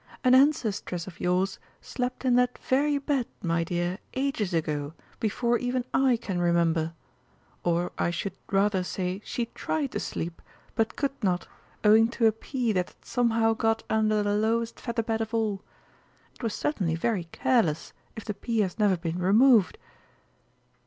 An ancestress of yours slept in that very bed, my dear, ages ago, before even I can remember or I should rather say she tried to sleep, but could not, owing to a pea that had somehow got under the lowest feather bed of all. It was certainly very careless if the pea has never been removed."